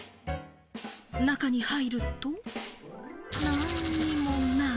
中に入ると、なんにもない。